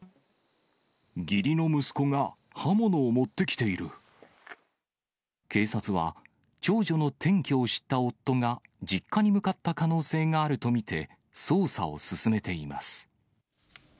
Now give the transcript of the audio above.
義理の息子が刃物を持ってき警察は、長女の転居を知った夫が、実家に向かった可能性があると見て、捜査を進めています。